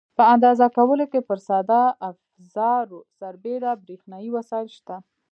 په اندازه کولو کې پر ساده افزارو سربېره برېښنایي وسایل شته.